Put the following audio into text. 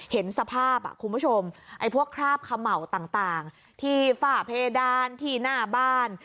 เห็นสภาพคุณผู้ชมไอ้พวกคราบเขม่าต่างที่ฝ้าเพดานที่หน้าบ้าน